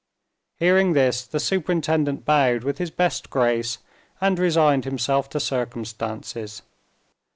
Hearing this, the superintendent bowed with his best grace, and resigned himself to circumstances.